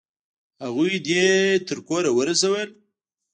هغوی دې تر کوره ورسول؟